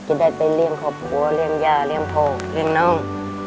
ก็ได้ไปเลี่ยงข้าวผู้เลี่ยงยาเลี่ยงโพเลี่ยงนาง